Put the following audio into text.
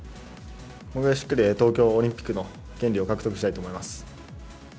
僕がしっかり東京オリンピックの権利を獲得したいと思います。